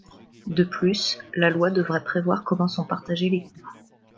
De plus, la loi devrait prévoir comment sont partagés les coûts.